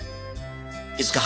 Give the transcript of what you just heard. いつか八